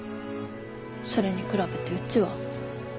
それに比べてうちは。